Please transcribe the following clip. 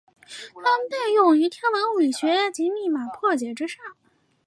它们被用于天文物理学及密码破解之上。